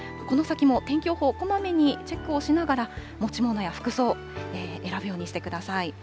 この先も天気予報、こまめにチェックをしながら、持ち物や服装を選ぶようにしてください。